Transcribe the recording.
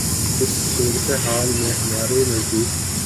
اس صورتِ حال میں ہمارے نزدیک